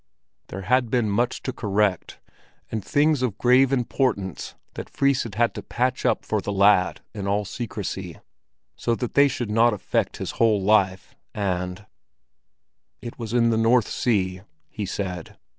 There had been much to correct, and things of grave importance that Fris had had to patch up for the lad in all secrecy, so that they should not affect his whole life, and— "It was in the North Sea," he said.